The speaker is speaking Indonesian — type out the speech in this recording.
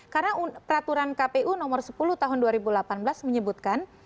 karena peraturan kpu nomor sepuluh tahun dua ribu delapan belas menyebutkan